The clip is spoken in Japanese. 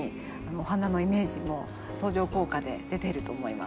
お花のイメージも相乗効果で出てると思います。